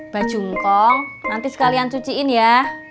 bajungkong nanti sekalian cuciin ya